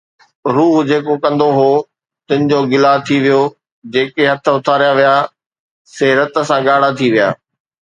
روح جيڪو ڪُنڊو هو، تن جو گلا ٿي ويو، جيڪي هٿ اٿاريا ويا سي رت سان ڳاڙها ٿي ويا